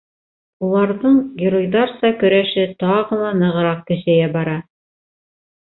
Уларҙың геройҙарса көрәше тағы ла нығырак көсәйә бара.